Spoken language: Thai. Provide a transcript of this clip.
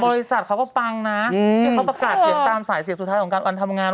บริษัทเขาก็ปังนะที่เขาประกาศเสียงตามสายเสียงสุดท้ายของการอันทำงาน